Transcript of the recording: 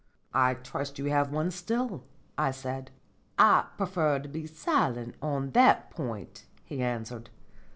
"I trust you have one still," I said. "I prefer to be silent on that point," he answered.